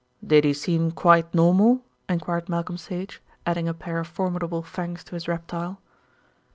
"Did he seem quite normal?" enquired Malcolm Sage, adding a pair of formidable fangs to his reptile.